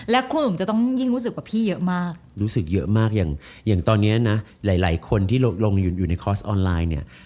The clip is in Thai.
และครูหนุ่มจะต้องยิ่งรู้สึกว่าพี่เยอะมากรู้สึกเยอะมากอย่างตอนนี้นะหลายคนที่ลงอยู่ในคอร์สออนไลน์เนี่ย